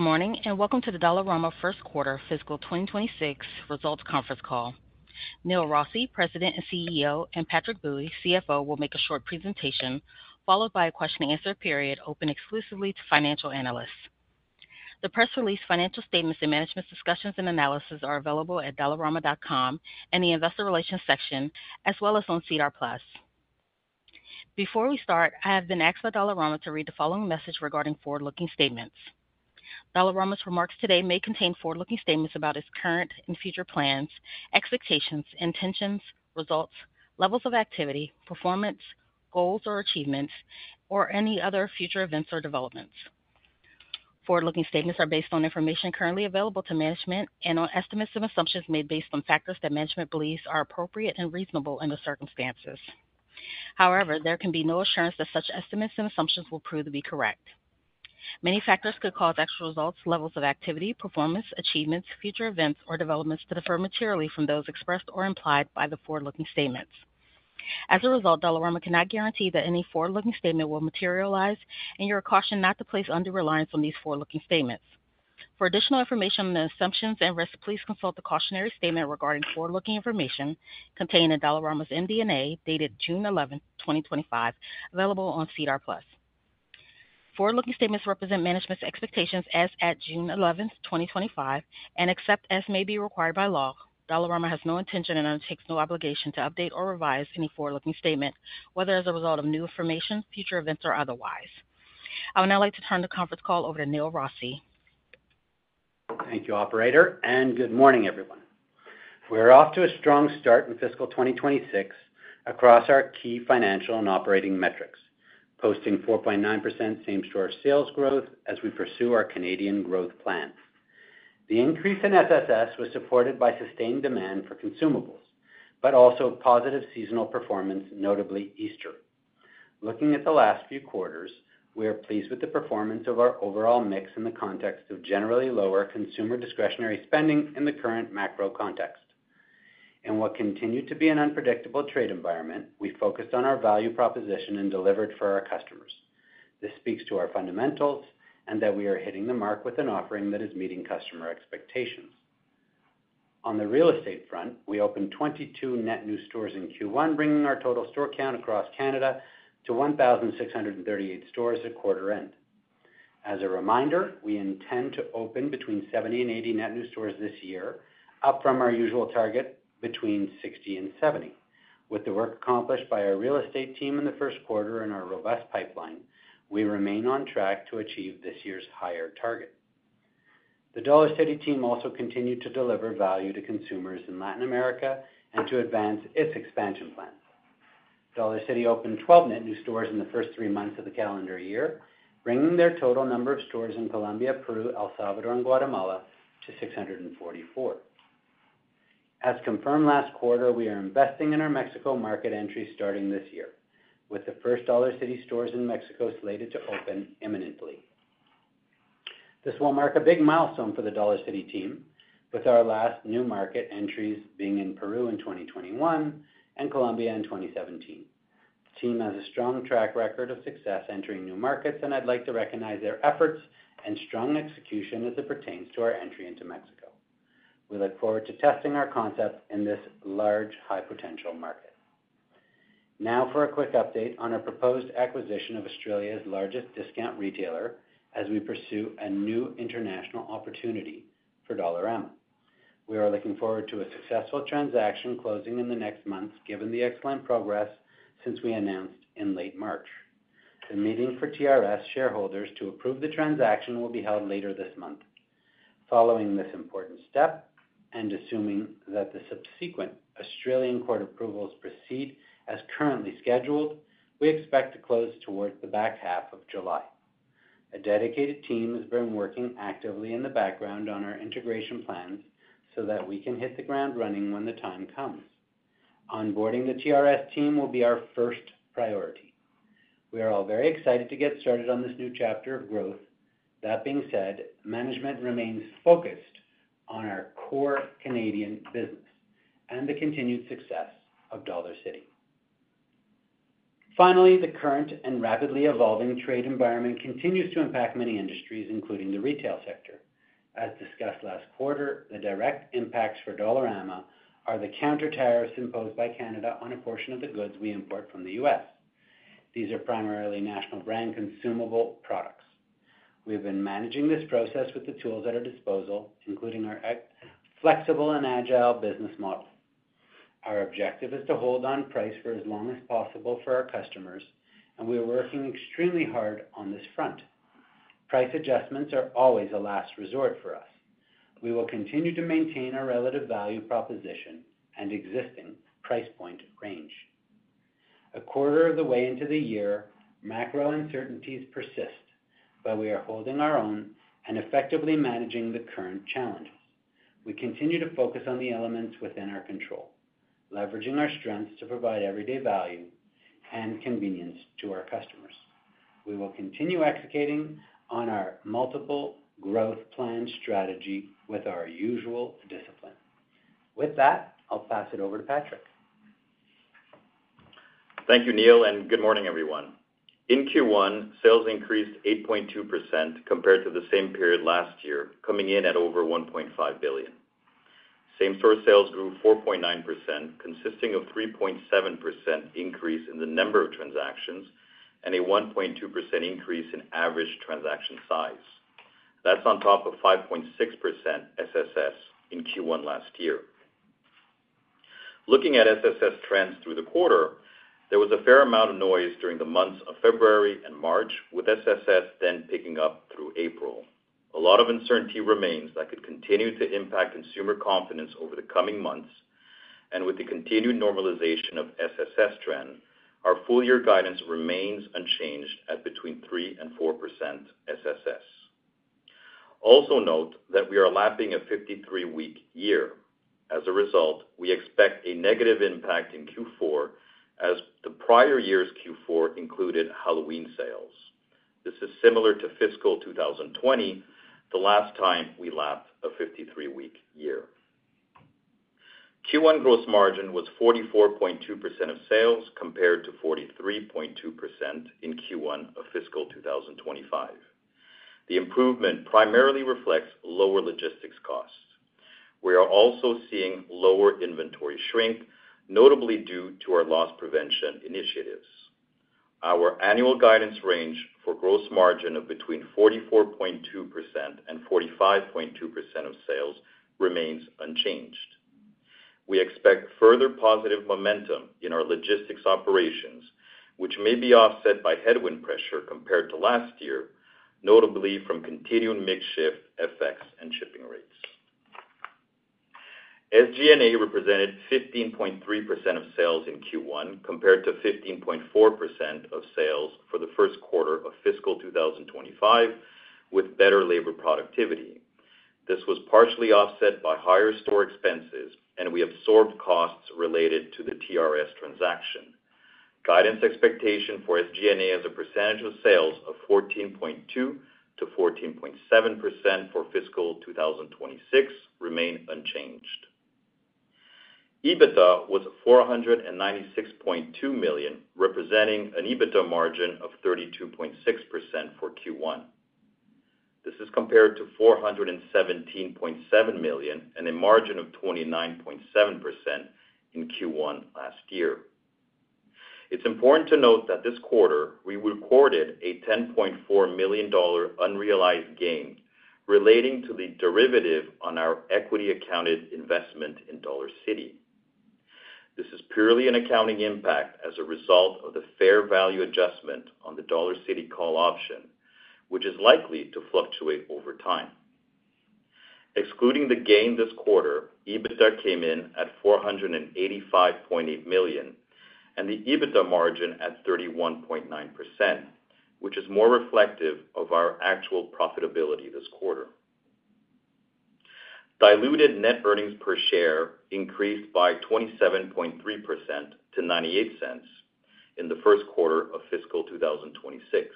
Good morning and welcome to the Dollarama first quarter fiscal 2026 results conference call. Neil Rossy, President and CEO, and Patrick Bui, CFO, will make a short presentation followed by a question-and-answer period open exclusively to financial analysts. The press release, financial statements, and management discussion and analysis are available at dollarama.com and the Investor Relations section, as well as on SEDAR+. Before we start, I have been asked by Dollarama to read the following message regarding forward-looking statements. Dollarama's remarks today may contain forward-looking statements about its current and future plans, expectations, intentions, results, levels of activity, performance, goals or achievements, or any other future events or developments. Forward-looking statements are based on information currently available to management and on estimates and assumptions made based on factors that management believes are appropriate and reasonable under circumstances. However, there can be no assurance that such estimates and assumptions will prove to be correct. Many factors could cause actual results, levels of activity, performance, achievements, future events, or developments to differ materially from those expressed or implied by the forward-looking statements. As a result, Dollarama cannot guarantee that any forward-looking statement will materialize, and you're cautioned not to place undue reliance on these forward-looking statements. For additional information on the assumptions and risks, please consult the cautionary statement regarding forward-looking information contained in Dollarama's MD&A dated June 11th, 2025, available on SEDAR+. Forward-looking statements represent management's expectations as at June 11th, 2025, and except as may be required by law, Dollarama has no intention and undertakes no obligation to update or revise any forward-looking statement, whether as a result of new information, future events, or otherwise. I would now like to turn the conference call over to Neil Rossy. Thank you, Operator, and good morning, everyone. We're off to a strong start in fiscal 2026 across our key financial and operating metrics, posting 4.9% same-store sales growth as we pursue our Canadian growth plan. The increase in SSS was supported by sustained demand for consumables, but also positive seasonal performance, notably Easter. Looking at the last few quarters, we are pleased with the performance of our overall mix in the context of generally lower consumer discretionary spending in the current macro context. In what continued to be an unpredictable trade environment, we focused on our value proposition and delivered for our customers. This speaks to our fundamentals and that we are hitting the mark with an offering that is meeting customer expectations. On the real estate front, we opened 22 net new stores in Q1, bringing our total store count across Canada to 1,638 stores at quarter-end. As a reminder, we intend to open between 70 and 80 net new stores this year, up from our usual target between 60 and 70. With the work accomplished by our real estate team in the first quarter and our robust pipeline, we remain on track to achieve this year's higher target. The Dollar City team also continued to deliver value to consumers in Latin America and to advance its expansion plan. Dollar City opened 12 net new stores in the first three months of the calendar year, bringing their total number of stores in Colombia, Peru, El Salvador, and Guatemala to 644. As confirmed last quarter, we are investing in our Mexico market entry starting this year, with the first Dollar City stores in Mexico slated to open imminently. This will mark a big milestone for the Dollar City team, with our last new market entries being in Peru in 2021 and Colombia in 2017. The team has a strong track record of success entering new markets, and I'd like to recognize their efforts and strong execution as it pertains to our entry into Mexico. We look forward to testing our concept in this large, high-potential market. Now for a quick update on our proposed acquisition of Australia's largest discount retailer as we pursue a new international opportunity for Dollarama. We are looking forward to a successful transaction closing in the next month, given the excellent progress since we announced in late March. The meeting for The Reject Shop shareholders to approve the transaction will be held later this month. Following this important step and assuming that the subsequent Australian court approvals proceed as currently scheduled, we expect to close towards the back half of July. A dedicated team has been working actively in the background on our integration plans so that we can hit the ground running when the time comes. Onboarding the TRS team will be our first priority. We are all very excited to get started on this new chapter of growth. That being said, management remains focused on our core Canadian business and the continued success of Dollar City. Finally, the current and rapidly evolving trade environment continues to impact many industries, including the retail sector. As discussed last quarter, the direct impacts for Dollarama are the counter tariffs imposed by Canada on a portion of the goods we import from the U.S. These are primarily national brand consumable products. We have been managing this process with the tools at our disposal, including our flexible and agile business model. Our objective is to hold on price for as long as possible for our customers, and we are working extremely hard on this front. Price adjustments are always a last resort for us. We will continue to maintain our relative value proposition and existing price point range. A quarter of the way into the year, macro uncertainties persist, but we are holding our own and effectively managing the current challenges. We continue to focus on the elements within our control, leveraging our strengths to provide everyday value and convenience to our customers. We will continue executing on our multiple growth plan strategy with our usual discipline. With that, I'll pass it over to Patrick. Thank you, Neil, and good morning, everyone. In Q1, sales increased 8.2% compared to the same period last year, coming in at over 1.5 billion. Same-store sales grew 4.9%, consisting of a 3.7% increase in the number of transactions and a 1.2% increase in average transaction size. That's on top of 5.6% SSS in Q1 last year. Looking at SSS trends through the quarter, there was a fair amount of noise during the months of February and March, with SSS then picking up through April. A lot of uncertainty remains that could continue to impact consumer confidence over the coming months, and with the continued normalization of SSS trend, our full-year guidance remains unchanged at between 3% and 4% SSS. Also note that we are lapping a 53-week year. As a result, we expect a negative impact in Q4, as the prior year's Q4 included Halloween sales. This is similar to fiscal 2020, the last time we lapped a 53-week year. Q1 gross margin was 44.2% of sales compared to 43.2% in Q1 of fiscal 2025. The improvement primarily reflects lower logistics costs. We are also seeing lower inventory shrink, notably due to our loss prevention initiatives. Our annual guidance range for gross margin of between 44.2% and 45.2% of sales remains unchanged. We expect further positive momentum in our logistics operations, which may be offset by headwind pressure compared to last year, notably from continued mix shift effects and shipping rates. SG&A represented 15.3% of sales in Q1 compared to 15.4% of sales for the first quarter of fiscal 2025, with better labor productivity. This was partially offset by higher store expenses, and we absorbed costs related to the TRS transaction. Guidance expectation for SG&A as a percentage of sales of 14.2%-14.7% for fiscal 2026 remains unchanged. EBITDA was 496.2 million, representing an EBITDA margin of 32.6% for Q1. This is compared to 417.7 million and a margin of 29.7% in Q1 last year. It's important to note that this quarter, we recorded a 10.4 million dollar unrealized gain relating to the derivative on our equity-accounted investment in Dollar City. This is purely an accounting impact as a result of the fair value adjustment on the Dollar City call option, which is likely to fluctuate over time. Excluding the gain this quarter, EBITDA came in at 485.8 million and the EBITDA margin at 31.9%, which is more reflective of our actual profitability this quarter. Diluted net earnings per share increased by 27.3% to 0.98 in the first quarter of fiscal 2026.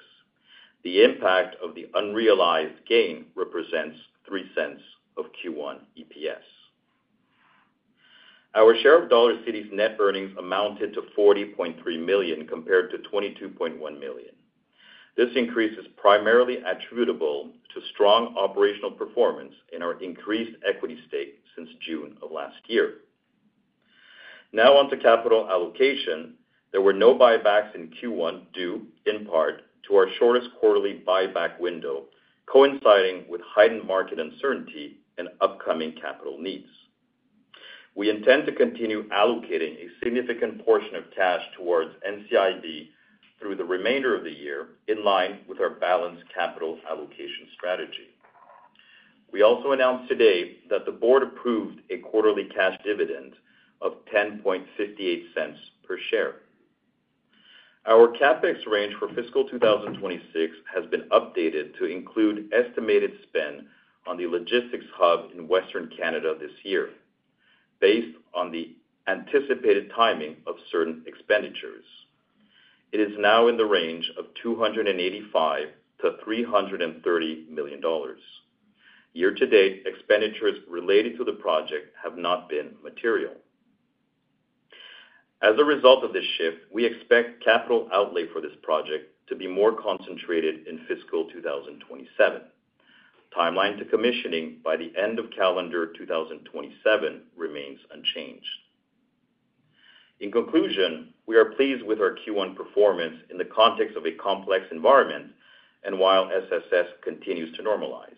The impact of the unrealized gain represents 0.03 of Q1 EPS. Our share of Dollar City's net earnings amounted to 40.3 million compared to 22.1 million. This increase is primarily attributable to strong operational performance and our increased equity stake since June of last year. Now on to capital allocation. There were no buybacks in Q1 due, in part, to our shortest quarterly buyback window, coinciding with heightened market uncertainty and upcoming capital needs. We intend to continue allocating a significant portion of cash towards NCIB through the remainder of the year in line with our balanced capital allocation strategy. We also announced today that the board approved a quarterly cash dividend of 0.1058 per share. Our CapEx range for fiscal 2026 has been updated to include estimated spend on the logistics hub in Western Canada this year, based on the anticipated timing of certain expenditures. It is now in the range of 285 million-330 million dollars. Year-to-date expenditures related to the project have not been material. As a result of this shift, we expect capital outlay for this project to be more concentrated in fiscal 2027. Timeline to commissioning by the end of calendar 2027 remains unchanged. In conclusion, we are pleased with our Q1 performance in the context of a complex environment, and while SSS continues to normalize,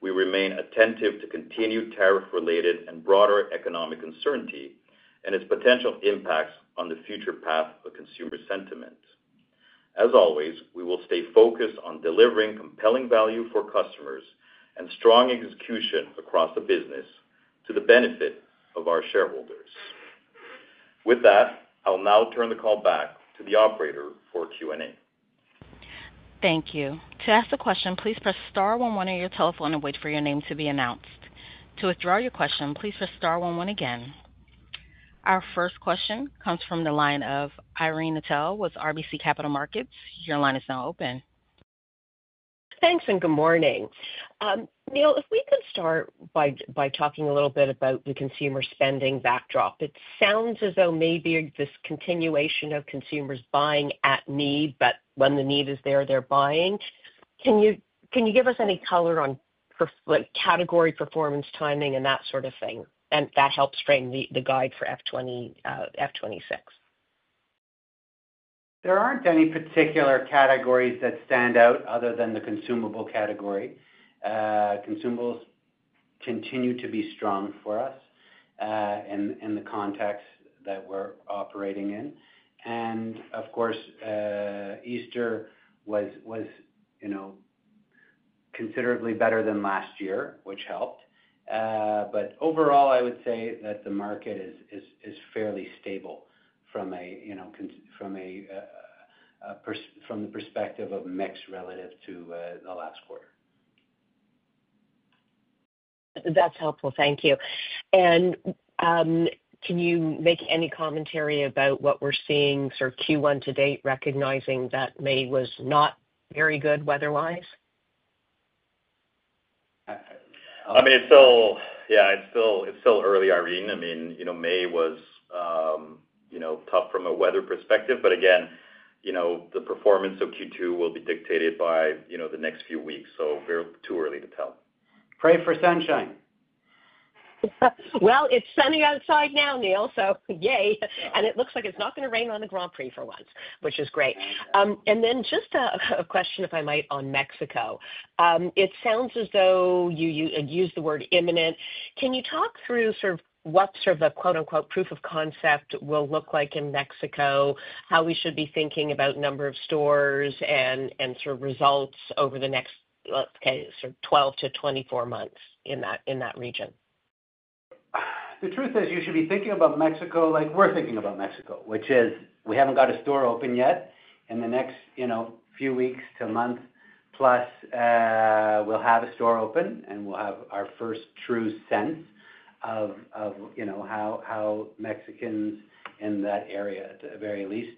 we remain attentive to continued tariff-related and broader economic uncertainty and its potential impacts on the future path of consumer sentiment. As always, we will stay focused on delivering compelling value for customers and strong execution across the business to the benefit of our shareholders. With that, I'll now turn the call back to the Operator for Q&A. Thank you. To ask a question, please press star 11 on your telephone and wait for your name to be announced. To withdraw your question, please press star 11 again. Our first question comes from the line of Irene Nattel with RBC Capital Markets. Your line is now open. Thanks, and good morning. Neil, if we could start by talking a little bit about the consumer spending backdrop. It sounds as though maybe this continuation of consumers buying at need, but when the need is there, they're buying. Can you give us any color on category performance timing and that sort of thing? That helps frame the guide for F26. There are not any particular categories that stand out other than the consumable category. Consumables continue to be strong for us in the context that we are operating in. Of course, Easter was considerably better than last year, which helped. Overall, I would say that the market is fairly stable from the perspective of mix relative to the last quarter. That's helpful. Thank you. Can you make any commentary about what we're seeing for Q1 to date, recognizing that May was not very good weather-wise? I mean, it's still, yeah, it's still early, Irene. I mean, May was tough from a weather perspective, but again, the performance of Q2 will be dictated by the next few weeks, so we're too early to tell. Pray for sunshine. It is sunny outside now, Neil, so yay. It looks like it is not going to rain on the Grand Prix for once, which is great. Just a question, if I might, on Mexico. It sounds as though you used the word imminent. Can you talk through sort of what the quote-unquote proof of concept will look like in Mexico, how we should be thinking about number of stores and sort of results over the next, let's say, 12-24 months in that region? The truth is you should be thinking about Mexico like we're thinking about Mexico, which is we haven't got a store open yet in the next few weeks to months. Plus, we'll have a store open, and we'll have our first true sense of how Mexicans in that area, at the very least,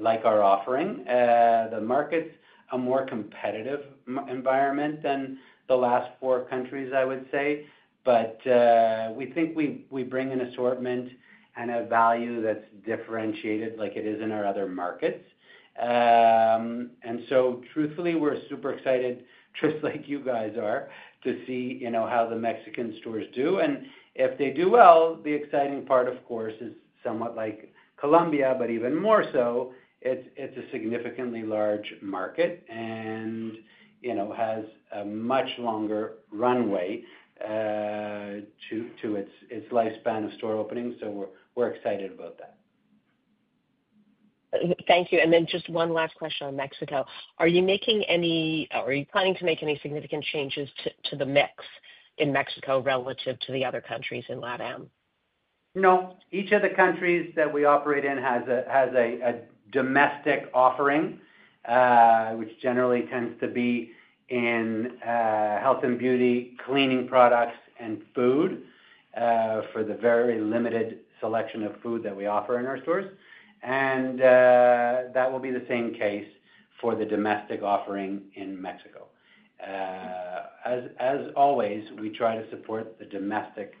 like our offering. The markets are a more competitive environment than the last four countries, I would say, but we think we bring an assortment and a value that's differentiated like it is in our other markets. Truthfully, we're super excited, just like you guys are, to see how the Mexican stores do. If they do well, the exciting part, of course, is somewhat like Colombia, but even more so, it's a significantly large market and has a much longer runway to its lifespan of store openings. We're excited about that. Thank you. And then just one last question on Mexico. Are you making any, or are you planning to make any significant changes to the mix in Mexico relative to the other countries in LATAM? No. Each of the countries that we operate in has a domestic offering, which generally tends to be in health and beauty, cleaning products, and food for the very limited selection of food that we offer in our stores. That will be the same case for the domestic offering in Mexico. As always, we try to support the domestic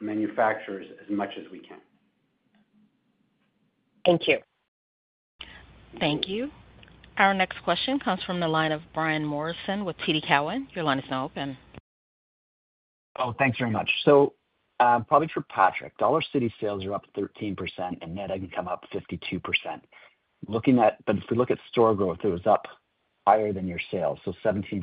manufacturers as much as we can. Thank you. Thank you. Our next question comes from the line of Brian Morrison with TD Cowen. Your line is now open. Oh, thanks very much. Probably for Patrick, Dollar City sales are up 13%, and net EBITDA came up 52%. If we look at store growth, it was up higher than your sales, so 17%.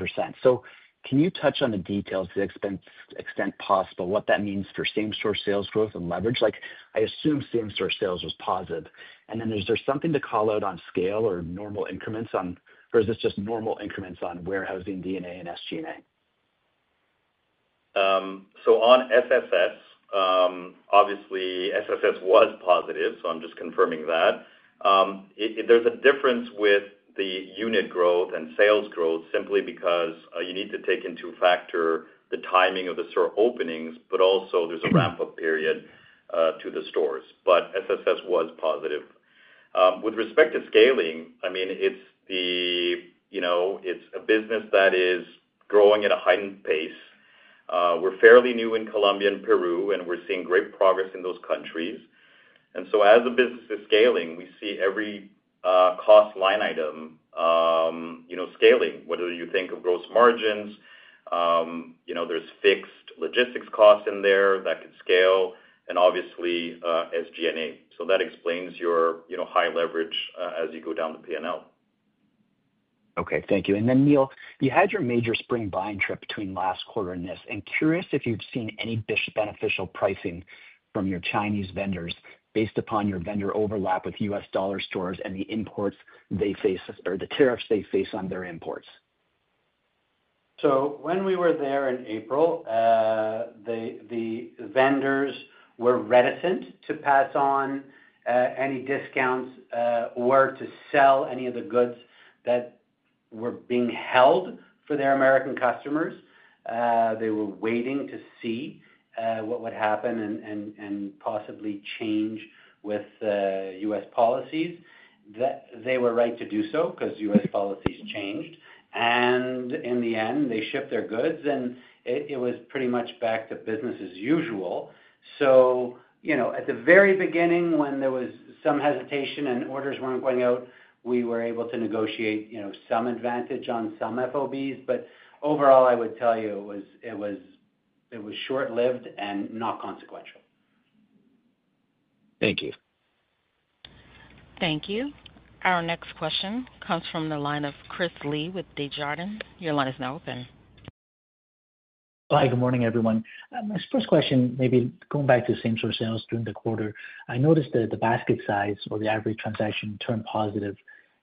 Can you touch on the details to the extent possible, what that means for same-store sales growth and leverage? I assume same-store sales was positive. Is there something to call out on scale or normal increments on, or is this just normal increments on warehousing D&A and SG&A? On SSS, obviously, SSS was positive, so I'm just confirming that. There's a difference with the unit growth and sales growth simply because you need to take into factor the timing of the store openings, but also there's a ramp-up period to the stores. SSS was positive. With respect to scaling, I mean, it's a business that is growing at a heightened pace. We're fairly new in Colombia and Peru, and we're seeing great progress in those countries. As a business is scaling, we see every cost line item scaling, whether you think of gross margins, there's fixed logistics costs in there that could scale, and obviously SG&A. That explains your high leverage as you go down the P&L. Okay. Thank you. Neil, you had your major spring buying trip between last quarter and this. I'm curious if you've seen any beneficial pricing from your Chinese vendors based upon your vendor overlap with U.S. dollar stores and the imports they face or the tariffs they face on their imports. When we were there in April, the vendors were reticent to pass on any discounts or to sell any of the goods that were being held for their American customers. They were waiting to see what would happen and possibly change with U.S. policies. They were right to do so because U.S. policies changed. In the end, they shipped their goods, and it was pretty much back to business as usual. At the very beginning, when there was some hesitation and orders were not going out, we were able to negotiate some advantage on some FOBs. Overall, I would tell you it was short-lived and not consequential. Thank you. Thank you. Our next question comes from the line of Chris Li with Desjardins. Your line is now open. Hi, good morning, everyone. My first question, maybe going back to same-store sales during the quarter, I noticed that the basket size or the average transaction turned positive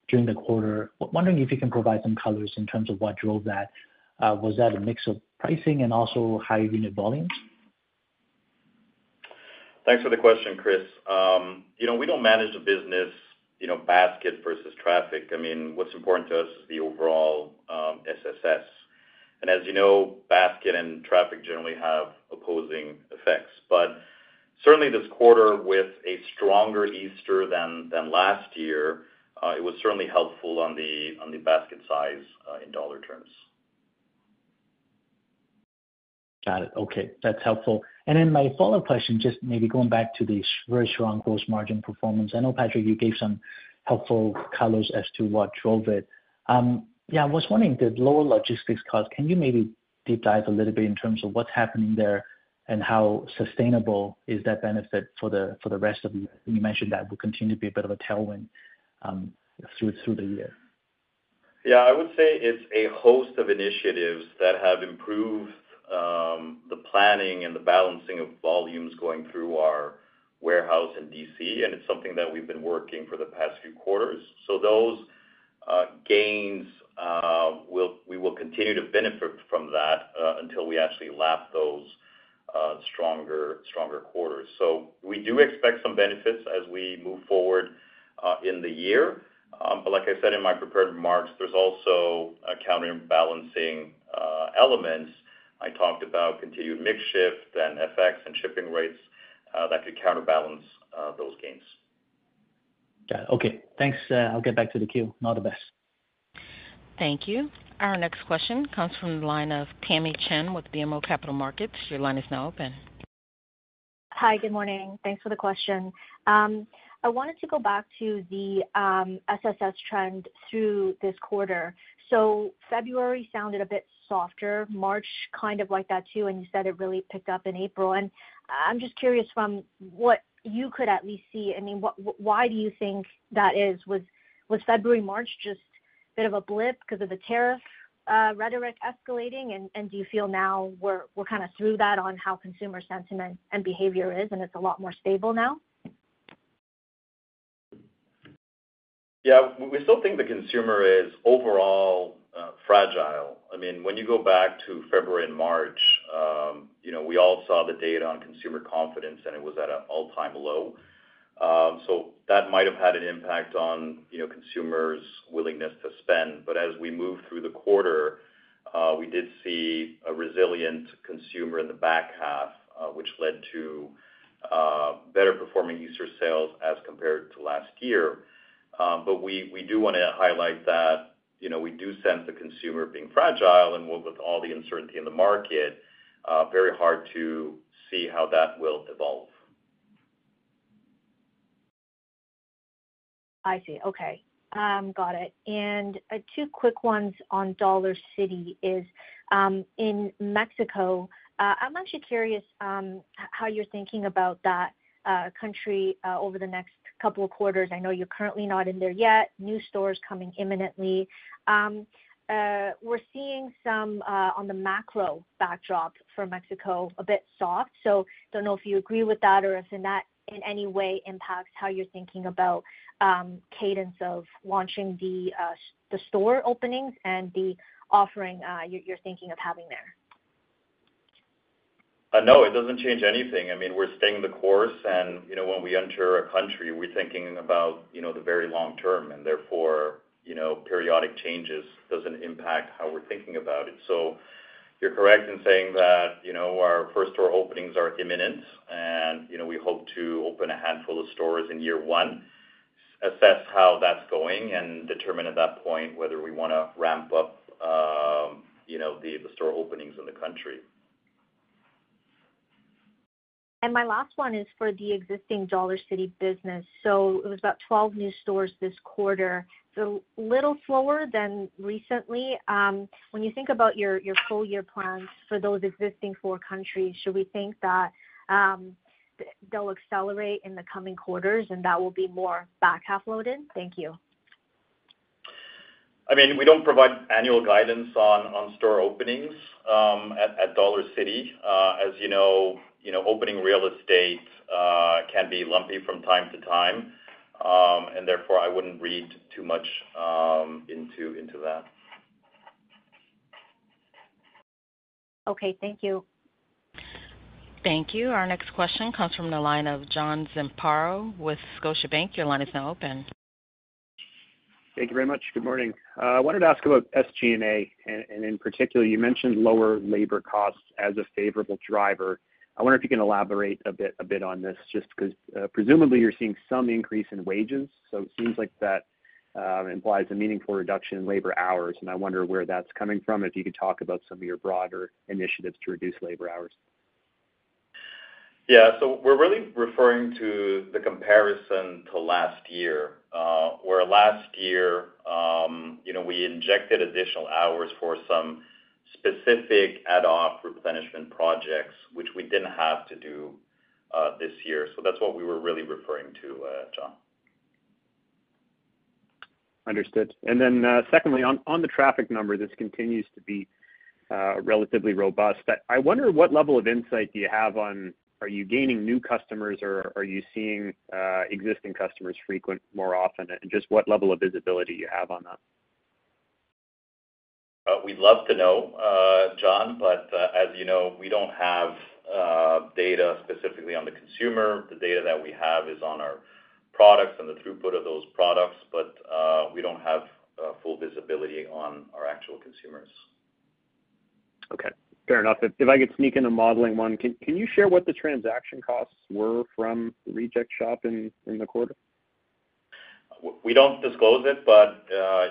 during the quarter. Wondering if you can provide some color in terms of what drove that. Was that a mix of pricing and also high unit volumes? Thanks for the question, Chris. We do not manage a business basket versus traffic. I mean, what is important to us is the overall SSS. And as you know, basket and traffic generally have opposing effects. This quarter, with a stronger Easter than last year, it was certainly helpful on the basket size in dollar terms. Got it. Okay. That's helpful. My follow-up question, just maybe going back to the very strong gross margin performance. I know, Patrick, you gave some helpful colors as to what drove it. Yeah, I was wondering, the lower logistics cost, can you maybe deep dive a little bit in terms of what's happening there and how sustainable is that benefit for the rest of the year? You mentioned that will continue to be a bit of a tailwind through the year. Yeah, I would say it's a host of initiatives that have improved the planning and the balancing of volumes going through our warehouse and DC, and it's something that we've been working for the past few quarters. Those gains, we will continue to benefit from that until we actually lap those stronger quarters. We do expect some benefits as we move forward in the year. Like I said in my prepared remarks, there's also counterbalancing elements. I talked about continued mix shift and effects and shipping rates that could counterbalance those gains. Got it. Okay. Thanks. I'll get back to the queue. All the best. Thank you. Our next question comes from the line of Tamy Chen with BMO Capital Markets. Your line is now open. Hi, good morning. Thanks for the question. I wanted to go back to the SSS trend through this quarter. February sounded a bit softer, March kind of like that too, and you said it really picked up in April. I'm just curious from what you could at least see. I mean, why do you think that is? Was February-March just a bit of a blip because of the tariff rhetoric escalating? Do you feel now we're kind of through that on how consumer sentiment and behavior is, and it's a lot more stable now? Yeah, we still think the consumer is overall fragile. I mean, when you go back to February and March, we all saw the data on consumer confidence, and it was at an all-time low. That might have had an impact on consumers' willingness to spend. As we moved through the quarter, we did see a resilient consumer in the back half, which led to better-performing Easter sales as compared to last year. We do want to highlight that we do sense the consumer being fragile, and with all the uncertainty in the market, very hard to see how that will evolve. I see. Okay. Got it. Two quick ones on Dollar City in Mexico. I'm actually curious how you're thinking about that country over the next couple of quarters. I know you're currently not in there yet. New stores coming imminently. We're seeing some on the macro backdrop for Mexico a bit soft. I don't know if you agree with that or if that in any way impacts how you're thinking about cadence of launching the store openings and the offering you're thinking of having there. No, it doesn't change anything. I mean, we're staying the course, and when we enter a country, we're thinking about the very long term, and therefore, periodic changes don't impact how we're thinking about it. You're correct in saying that our first-store openings are imminent, and we hope to open a handful of stores in year one, assess how that's going, and determine at that point whether we want to ramp up the store openings in the country. My last one is for the existing Dollar City business. It was about 12 new stores this quarter, so a little slower than recently. When you think about your full-year plans for those existing four countries, should we think that they'll accelerate in the coming quarters and that will be more back half loaded? Thank you. I mean, we do not provide annual guidance on store openings at Dollar City. As you know, opening real estate can be lumpy from time to time, and therefore, I would not read too much into that. Okay. Thank you. Thank you. Our next question comes from the line of John Zamparo with Scotiabank. Your line is now open. Thank you very much. Good morning. I wanted to ask about SG&A, and in particular, you mentioned lower labor costs as a favorable driver. I wonder if you can elaborate a bit on this just because presumably you're seeing some increase in wages. It seems like that implies a meaningful reduction in labor hours, and I wonder where that's coming from if you could talk about some of your broader initiatives to reduce labor hours. Yeah. We are really referring to the comparison to last year where last year we injected additional hours for some specific ad hoc replenishment projects, which we did not have to do this year. That is what we were really referring to, John. Understood. Then secondly, on the traffic number, this continues to be relatively robust. I wonder what level of insight do you have on are you gaining new customers or are you seeing existing customers frequent more often and just what level of visibility you have on that? We'd love to know, John, but as you know, we don't have data specifically on the consumer. The data that we have is on our products and the throughput of those products, but we don't have full visibility on our actual consumers. Okay. Fair enough. If I could sneak in a modeling one, can you share what the transaction costs were from The Reject Shop in the quarter? We don't disclose it, but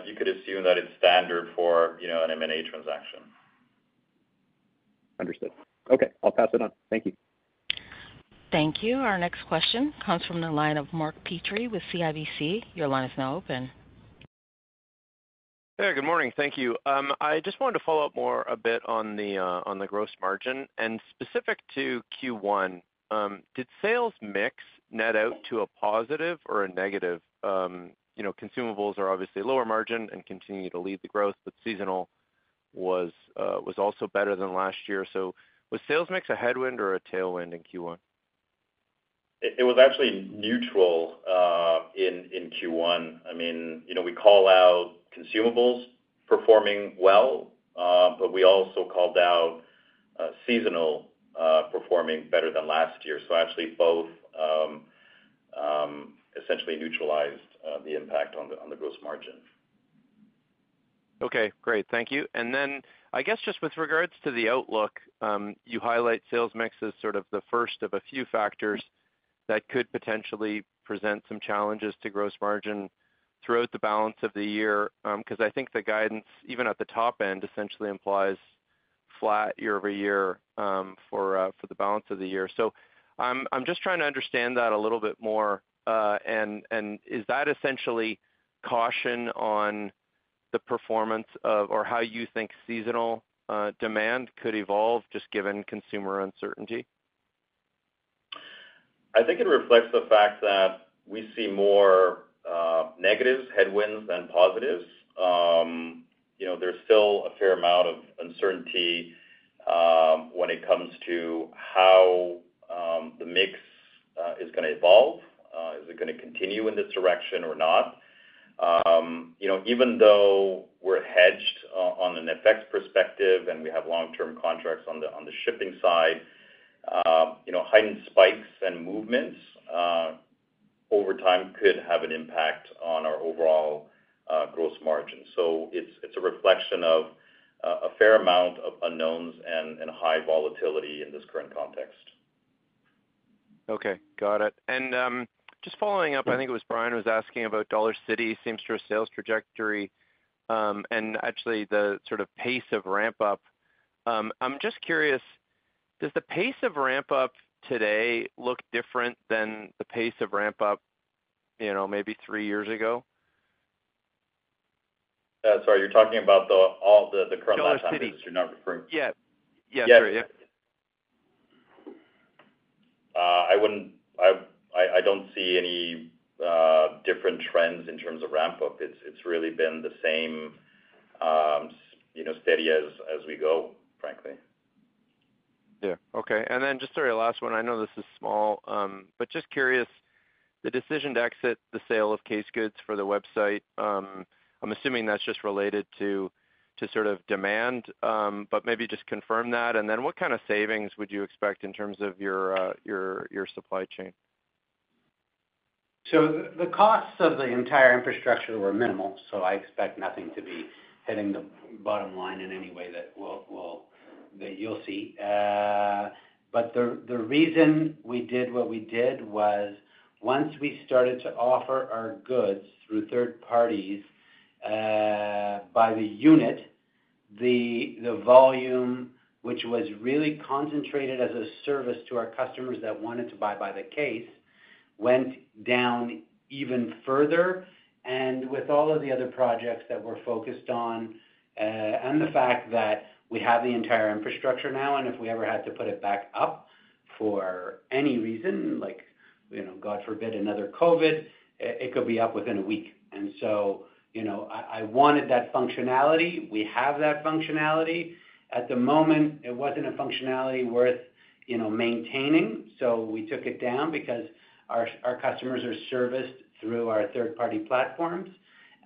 you could assume that it's standard for an M&A transaction. Understood. Okay. I'll pass it on. Thank you. Thank you. Our next question comes from the line of Mark Petrie with CIBC. Your line is now open. Hey, good morning. Thank you. I just wanted to follow up more a bit on the gross margin. And specific to Q1, did sales mix net out to a positive or a negative? Consumables are obviously lower margin and continue to lead the growth, but seasonal was also better than last year. So was sales mix a headwind or a tailwind in Q1? It was actually neutral in Q1. I mean, we call out consumables performing well, but we also called out seasonal performing better than last year. Actually, both essentially neutralized the impact on the gross margin. Okay. Great. Thank you. I guess just with regards to the outlook, you highlight sales mix as sort of the first of a few factors that could potentially present some challenges to gross margin throughout the balance of the year because I think the guidance, even at the top end, essentially implies flat year-over-year for the balance of the year. I'm just trying to understand that a little bit more. Is that essentially caution on the performance of or how you think seasonal demand could evolve just given consumer uncertainty? I think it reflects the fact that we see more negatives, headwinds than positives. There's still a fair amount of uncertainty when it comes to how the mix is going to evolve. Is it going to continue in this direction or not? Even though we're hedged on an FX perspective and we have long-term contracts on the shipping side, heightened spikes and movements over time could have an impact on our overall gross margin. It is a reflection of a fair amount of unknowns and high volatility in this current context. Okay. Got it. Just following up, I think it was Brian was asking about Dollar City's same-store sales trajectory and actually the sort of pace of ramp-up. I'm just curious, does the pace of ramp-up today look different than the pace of ramp-up maybe three years ago? Sorry, you're talking about the current. Dollar City. Time that you're not referring to. Yeah, sorry. Yeah. I do not see any different trends in terms of ramp-up. It has really been the same steady as we go, frankly. Yeah. Okay. And then just a last one. I know this is small, but just curious, the decision to exit the sale of case goods for the website, I'm assuming that's just related to sort of demand, but maybe just confirm that. What kind of savings would you expect in terms of your supply chain? The costs of the entire infrastructure were minimal, so I expect nothing to be hitting the bottom line in any way that you'll see. The reason we did what we did was once we started to offer our goods through third parties by the unit, the volume, which was really concentrated as a service to our customers that wanted to buy by the case, went down even further. With all of the other projects that we're focused on and the fact that we have the entire infrastructure now, if we ever had to put it back up for any reason, like God forbid another COVID, it could be up within a week. I wanted that functionality. We have that functionality. At the moment, it was not a functionality worth maintaining, so we took it down because our customers are serviced through our third-party platforms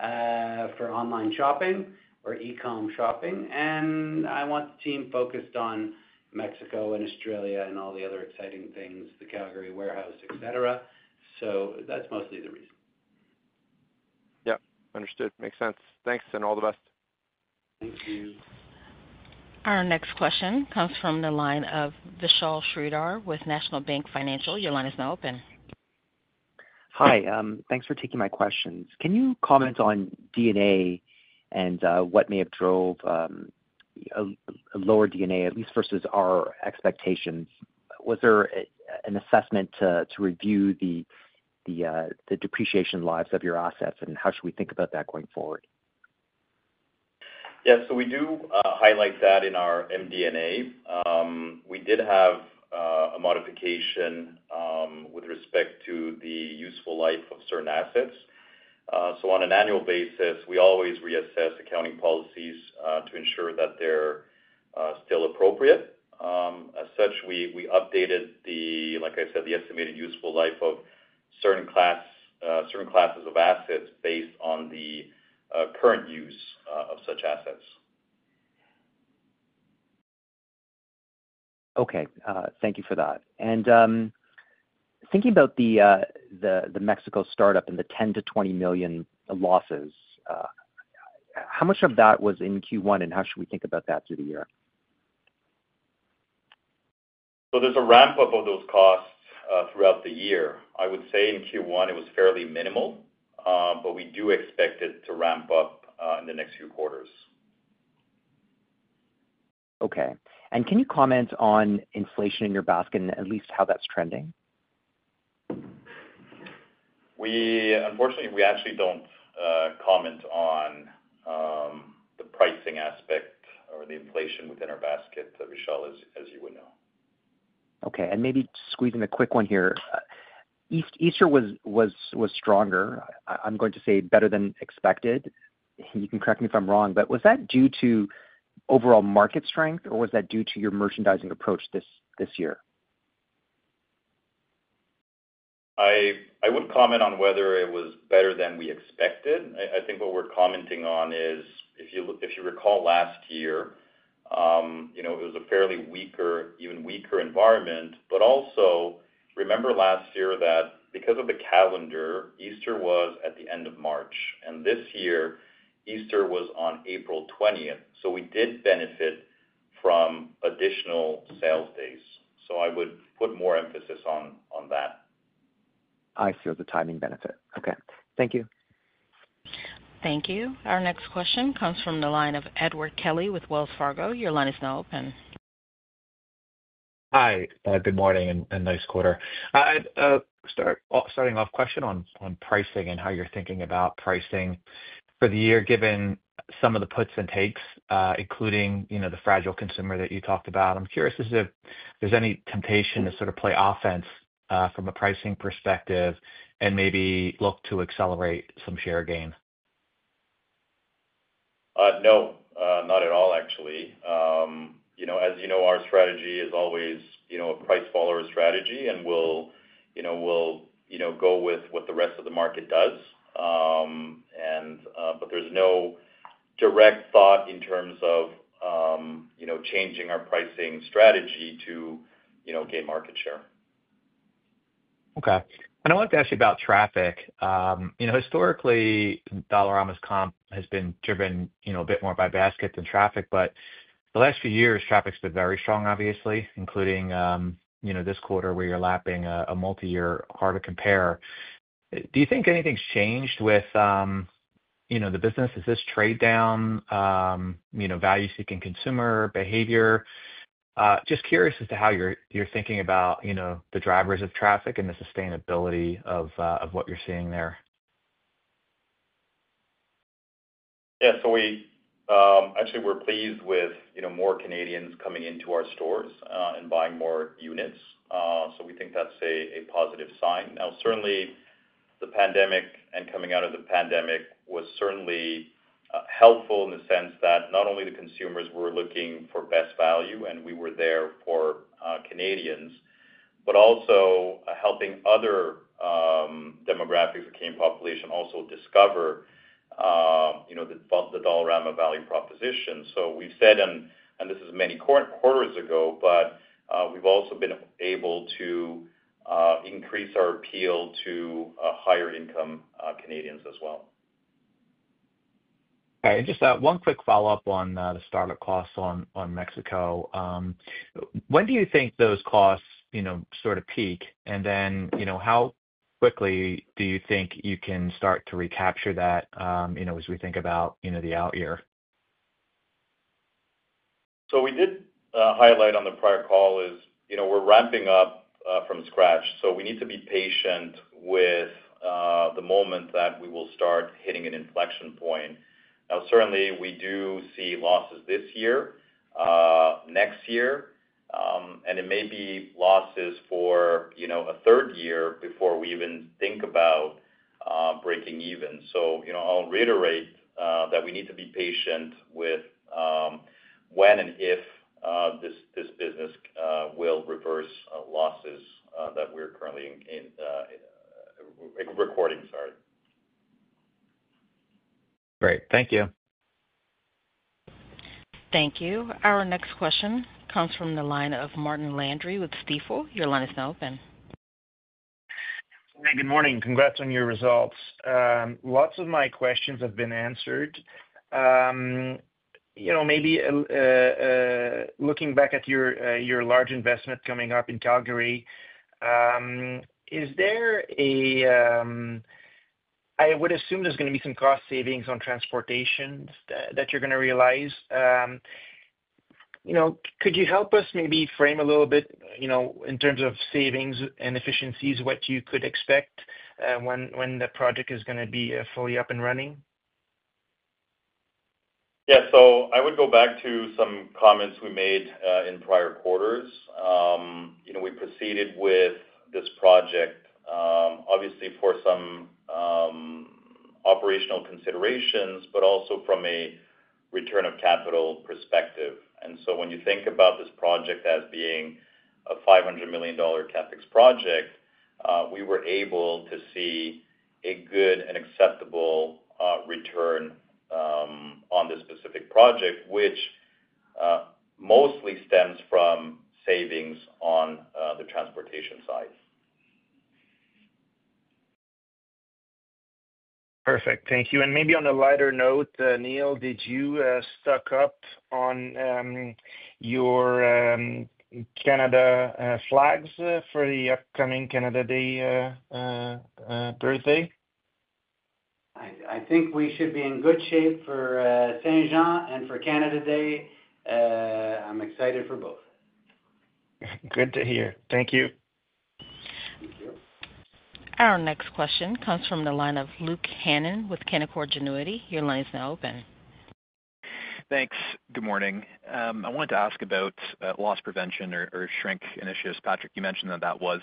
for online shopping or e-com shopping. I want the team focused on Mexico and Australia and all the other exciting things, the Calgary warehouse, etc. That is mostly the reason. Yep. Understood. Makes sense. Thanks and all the best. Thank you. Our next question comes from the line of Vishal Shreedhar with National Bank Financial. Your line is now open. Hi. Thanks for taking my questions. Can you comment on D&A and what may have drove a lower D&A, at least versus our expectations? Was there an assessment to review the depreciation lives of your assets, and how should we think about that going forward? Yeah. We do highlight that in our MD&A. We did have a modification with respect to the useful life of certain assets. On an annual basis, we always reassess accounting policies to ensure that they're still appropriate. As such, we updated, like I said, the estimated useful life of certain classes of assets based on the current use of such assets. Okay. Thank you for that. Thinking about the Mexico startup and the 10 million-20 million losses, how much of that was in Q1, and how should we think about that through the year? There is a ramp-up of those costs throughout the year. I would say in Q1 it was fairly minimal, but we do expect it to ramp up in the next few quarters. Okay. Can you comment on inflation in your basket and at least how that's trending? Unfortunately, we actually do not comment on the pricing aspect or the inflation within our basket, Vishal, as you would know. Okay. Maybe squeezing a quick one here. Easter was stronger. I'm going to say better than expected. You can correct me if I'm wrong, but was that due to overall market strength, or was that due to your merchandising approach this year? I would comment on whether it was better than we expected. I think what we are commenting on is if you recall last year, it was a fairly even weaker environment. Also, remember last year that because of the calendar, Easter was at the end of March, and this year Easter was on April 20. We did benefit from additional sales days. I would put more emphasis on that. I see the timing benefit. Okay. Thank you. Thank you. Our next question comes from the line of Edward Kelly with Wells Fargo. Your line is now open. Hi. Good morning and nice quarter. Starting off, question on pricing and how you're thinking about pricing for the year given some of the puts and takes, including the fragile consumer that you talked about. I'm curious if there's any temptation to sort of play offense from a pricing perspective and maybe look to accelerate some share gain. No, not at all, actually. As you know, our strategy is always a price follower strategy, and we'll go with what the rest of the market does. There is no direct thought in terms of changing our pricing strategy to gain market share. Okay. I wanted to ask you about traffic. Historically, Dollarama's comp has been driven a bit more by basket than traffic, but the last few years, traffic's been very strong, obviously, including this quarter where you're lapping a multi-year. Hard to compare. Do you think anything's changed with the business? Has this trade down value-seeking consumer behavior? Just curious as to how you're thinking about the drivers of traffic and the sustainability of what you're seeing there. Yeah. Actually, we're pleased with more Canadians coming into our stores and buying more units. We think that's a positive sign. Certainly, the pandemic and coming out of the pandemic was helpful in the sense that not only were consumers looking for best value, and we were there for Canadians, but also helping other demographics, the keen population, also discover the Dollarama value proposition. We've said, and this is many quarters ago, but we've also been able to increase our appeal to higher-income Canadians as well. All right. Just one quick follow-up on the startup costs on Mexico. When do you think those costs sort of peak, and then how quickly do you think you can start to recapture that as we think about the out-year? We did highlight on the prior call is we're ramping up from scratch. We need to be patient with the moment that we will start hitting an inflection point. Now, certainly, we do see losses this year, next year, and it may be losses for a third year before we even think about breaking even. I'll reiterate that we need to be patient with when and if this business will reverse losses that we're currently recording, sorry. Great. Thank you. Thank you. Our next question comes from the line of Martin Landry with Stifel. Your line is now open. Hey, good morning. Congrats on your results. Lots of my questions have been answered. Maybe looking back at your large investment coming up in Calgary, is there a—I would assume there's going to be some cost savings on transportation that you're going to realize. Could you help us maybe frame a little bit in terms of savings and efficiencies what you could expect when the project is going to be fully up and running? Yeah. I would go back to some comments we made in prior quarters. We proceeded with this project, obviously, for some operational considerations, but also from a return of capital perspective. When you think about this project as being a 500 million dollar CapEx project, we were able to see a good and acceptable return on this specific project, which mostly stems from savings on the transportation side. Perfect. Thank you. Maybe on a lighter note, Neil, did you stock up on your Canada flags for the upcoming Canada Day birthday? I think we should be in good shape for Saint Jean and for Canada Day. I'm excited for both. Good to hear. Thank you. Our next question comes from the line of Luke Hannan with Canaccord Genuity. Your line is now open. Thanks. Good morning. I wanted to ask about loss prevention or shrink initiatives. Patrick, you mentioned that that was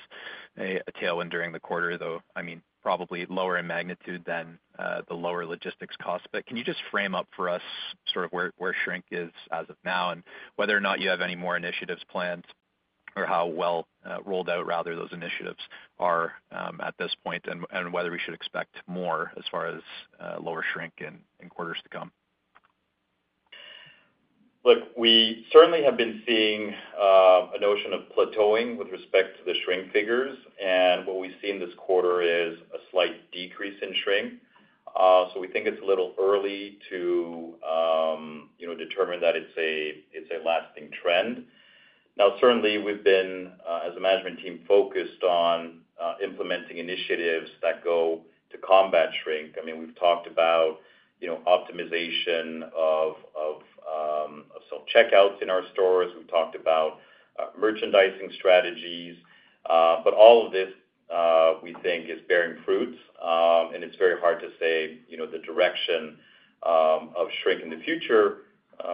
a tailwind during the quarter, though, I mean, probably lower in magnitude than the lower logistics costs. Can you just frame up for us sort of where shrink is as of now and whether or not you have any more initiatives planned or how well rolled out, rather, those initiatives are at this point and whether we should expect more as far as lower shrink in quarters to come? Look, we certainly have been seeing a notion of plateauing with respect to the shrink figures. What we've seen this quarter is a slight decrease in shrink. We think it's a little early to determine that it's a lasting trend. Now, certainly, we've been, as a management team, focused on implementing initiatives that go to combat shrink. I mean, we've talked about optimization of self-checkouts in our stores. We've talked about merchandising strategies. All of this, we think, is bearing fruits, and it's very hard to say the direction of shrink in the future.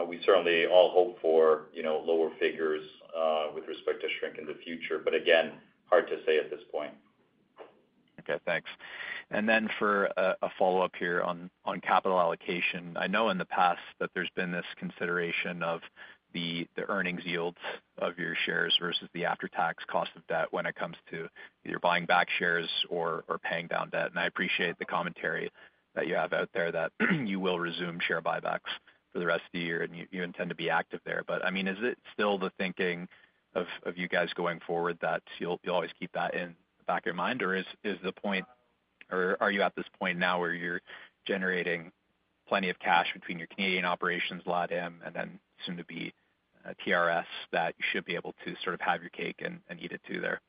We certainly all hope for lower figures with respect to shrink in the future, but again, hard to say at this point. Okay. Thanks. For a follow-up here on capital allocation, I know in the past that there's been this consideration of the earnings yields of your shares versus the after-tax cost of debt when it comes to either buying back shares or paying down debt. I appreciate the commentary that you have out there that you will resume share buybacks for the rest of the year, and you intend to be active there. I mean, is it still the thinking of you guys going forward that you'll always keep that in the back of your mind, or is the point, or are you at this point now where you're generating plenty of cash between your Canadian operations, LADAM, and then soon-to-be TRS that you should be able to sort of have your cake and eat it too there?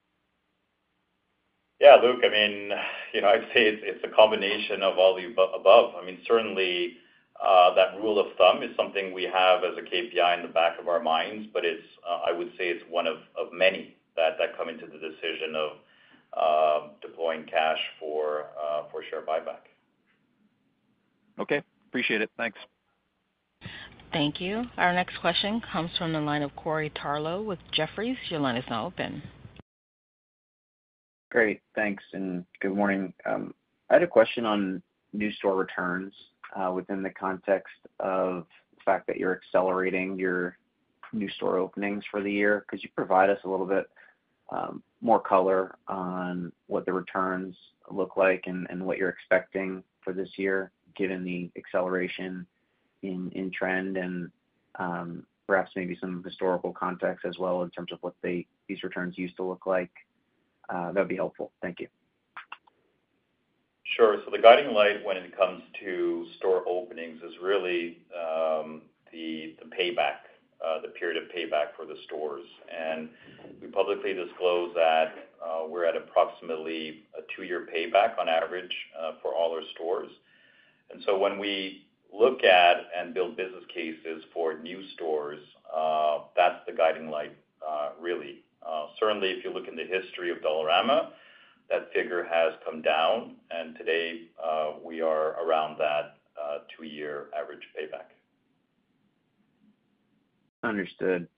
Yeah, Luke, I mean, I'd say it's a combination of all the above. I mean, certainly, that rule of thumb is something we have as a KPI in the back of our minds, but I would say it's one of many that come into the decision of deploying cash for share buyback. Okay. Appreciate it. Thanks. Thank you. Our next question comes from the line of Corey Tarlowe with Jefferies. Your line is now open. Great. Thanks and good morning. I had a question on new store returns within the context of the fact that you're accelerating your new store openings for the year. Could you provide us a little bit more color on what the returns look like and what you're expecting for this year given the acceleration in trend and perhaps maybe some historical context as well in terms of what these returns used to look like? That would be helpful. Thank you. Sure. The guiding light when it comes to store openings is really the payback, the period of payback for the stores. We publicly disclose that we are at approximately a two-year payback on average for all our stores. When we look at and build business cases for new stores, that is the guiding light, really. Certainly, if you look in the history of Dollarama, that figure has come down, and today we are around that two-year average payback. Understood.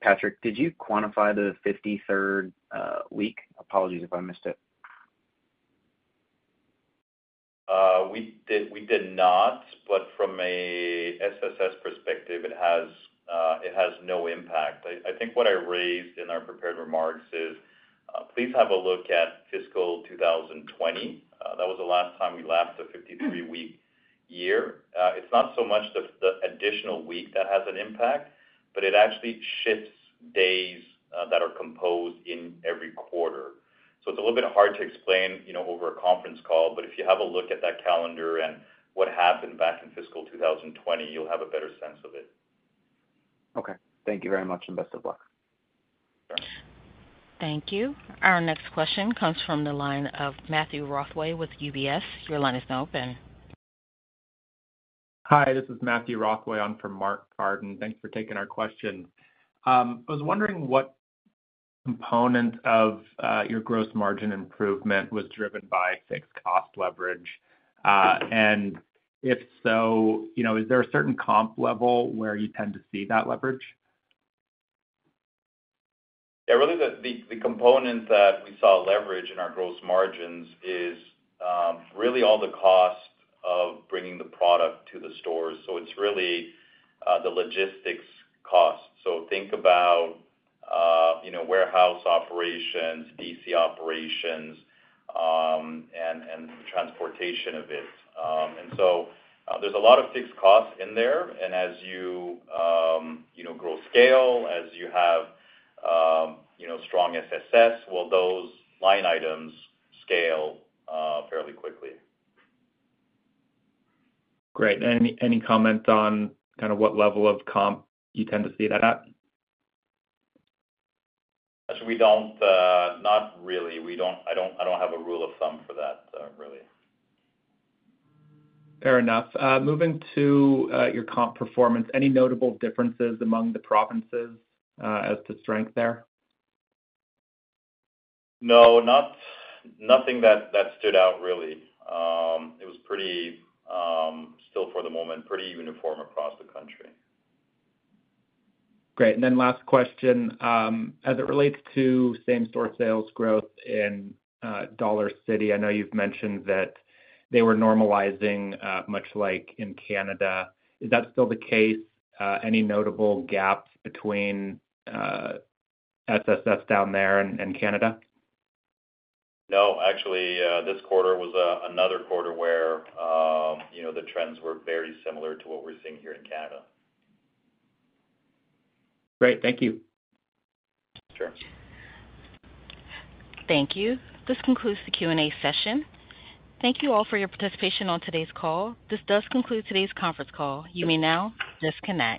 Patrick, did you quantify the 53rd week? Apologies if I missed it. We did not, but from an SSS perspective, it has no impact. I think what I raised in our prepared remarks is please have a look at fiscal 2020. That was the last time we lapped the 53-week year. It is not so much the additional week that has an impact, but it actually shifts days that are composed in every quarter. It is a little bit hard to explain over a conference call, but if you have a look at that calendar and what happened back in fiscal 2020, you will have a better sense of it. Okay. Thank you very much and best of luck. Sure. Thank you. Our next question comes from the line of Mathew Rothway with UBS. Your line is now open. Hi, this is Mathew Rothway. I'm from Mark Carden. Thanks for taking our question. I was wondering what component of your gross margin improvement was driven by fixed cost leverage. And if so, is there a certain comp level where you tend to see that leverage? Yeah. Really, the component that we saw leverage in our gross margins is really all the cost of bringing the product to the stores. It is really the logistics cost. Think about warehouse operations, DC operations, and transportation of it. There is a lot of fixed costs in there. As you grow scale, as you have strong SSS, those line items scale fairly quickly. Great. Any comment on kind of what level of comp you tend to see that at? Actually, we don't. Not really. I don't have a rule of thumb for that, really. Fair enough. Moving to your comp performance, any notable differences among the provinces as to strength there? No, nothing that stood out, really. It was pretty still, for the moment, pretty uniform across the country. Great. Then last question, as it relates to same-store sales growth in Dollar City, I know you've mentioned that they were normalizing much like in Canada. Is that still the case? Any notable gaps between SSS down there and Canada? No. Actually, this quarter was another quarter where the trends were very similar to what we're seeing here in Canada. Great. Thank you. Sure. Thank you. This concludes the Q&A session. Thank you all for your participation on today's call. This does conclude today's conference call. You may now disconnect.